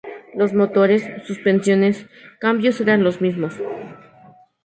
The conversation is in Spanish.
Los motores, suspensiones, cambios eran los mismos.